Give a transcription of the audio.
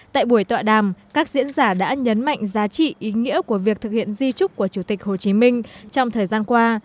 tại buổi tọa đàm các diễn giả đã nhấn mạnh giá trị ý nghĩa của việc thực hiện di trúc của chủ tịch hồ chí minh trong thời gian qua